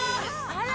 あら！